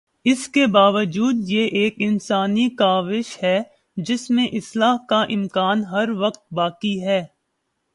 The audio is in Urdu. اس کے باوجود یہ ایک انسانی کاوش ہے جس میں اصلاح کا امکان ہر وقت باقی ہے۔